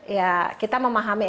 ya kita memahaminya